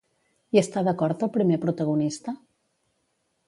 Hi està d'acord el primer protagonista?